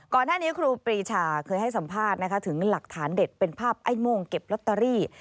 ก่อนหน้านี้ครูปีชาเคยให้สัมภาษณ์ถึงหลักฐานเด็ดเป็นภาพไอ้โมงเก็บล็อตเตอรี่